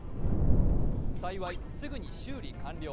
幸い、すぐに修理完了。